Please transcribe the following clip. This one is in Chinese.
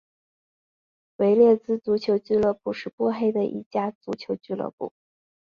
维列兹足球俱乐部是波黑的一家足球俱乐部。